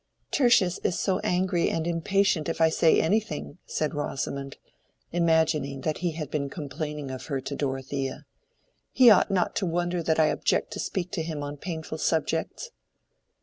"Tertius is so angry and impatient if I say anything," said Rosamond, imagining that he had been complaining of her to Dorothea. "He ought not to wonder that I object to speak to him on painful subjects."